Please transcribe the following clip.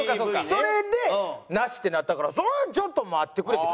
それでなしってなったからそれはちょっと待ってくれって。